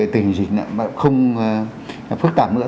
có cái tình hình dịch không phức tạp nữa thì nó sẽ không phức tạp nữa